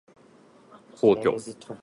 皇居